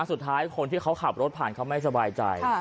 สุดท้ายคนที่เขาขับรถผ่านเขาไม่สบายใจค่ะ